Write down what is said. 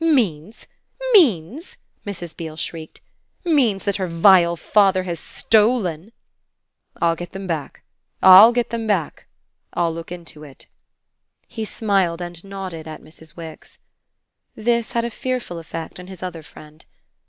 "Means? Maisie?" Mrs. Beale shrieked. "Means that her vile father has stolen!" "I'll get them back I'll get them back. I'll look into it." He smiled and nodded at Mrs. Wix. This had a fearful effect on his other friend.